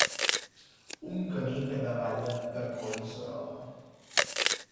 Un camí que davalla de Collserola.